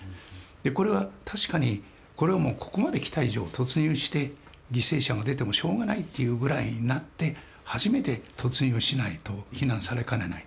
これは確かにこれはここまできた以上突入して犠牲者が出てもしょうがないというぐらいになって初めて突入しないと非難されかねない。